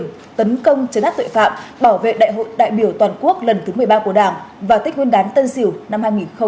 tấn công chấn áp tội phạm bảo vệ đại hội đại biểu toàn quốc lần thứ một mươi ba của đảng và tết nguyên đán tân sỉu năm hai nghìn hai mươi một